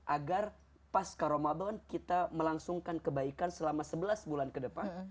agar pasca ramadan kita melangsungkan kebaikan selama sebelas bulan ke depan